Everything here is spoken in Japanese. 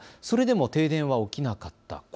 それでも停電は起きなかった。